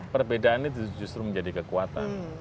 perbedaan ini justru menjadi kekuatan